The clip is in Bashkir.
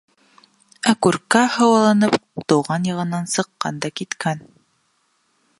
Ә Күркә һауаланып тыуған яғынан сыҡҡан да киткән.